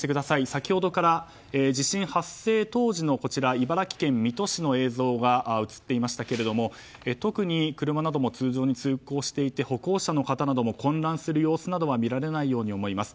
先ほどから地震発生当時の茨城県水戸市の映像が映っていましたけども特に車なども通常に通行していて歩行者の方なども混乱する様子などは見られないように思います。